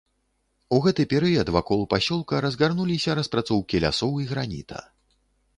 У гэты перыяд вакол пасёлка разгарнуліся распрацоўкі лясоў і граніта.